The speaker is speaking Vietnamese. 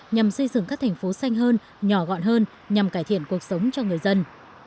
nhằm xây dựng các thành phố xanh hơn nhỏ gọn hơn nhằm cải thiện cuộc sống cho người dân